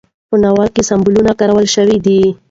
په ناول کې سمبولونه کارول شوي دي.